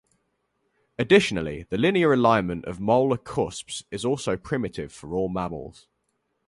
Additionally, the linear alignment of molar cusps is also primitive for all mammals.